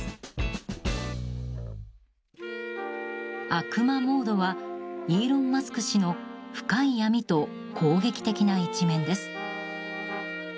悪魔モードはイーロン・マスク氏の深い闇と、攻撃的な一面です。